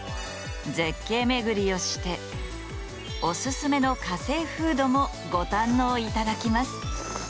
絶景巡りをしておすすめの火星フードもご堪能いただきます。